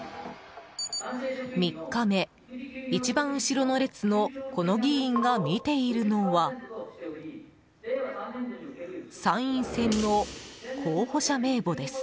３日目、一番後ろの列のこの議員が見ているのは参院選の候補者名簿です。